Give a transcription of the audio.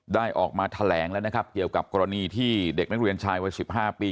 ได้ออกมาแถลงแล้วนะครับเกี่ยวกับกรณีที่เด็กนักเรียนชายวัย๑๕ปี